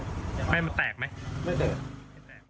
มันแตกไหมไม่แตกไม่แตก